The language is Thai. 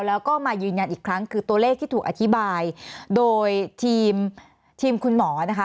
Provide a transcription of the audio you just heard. แล้วก็มายืนยันอีกครั้งคือตัวเลขที่ถูกอธิบายโดยทีมทีมคุณหมอนะคะ